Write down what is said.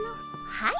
はい。